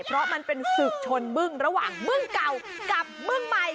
เพราะมันเป็นศึกชนบึ้งระหว่างบึ้งเก่ากับบึ้งใหม่